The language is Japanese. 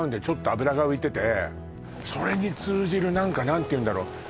ちょっと脂が浮いててそれに通じる何か何て言うんだろう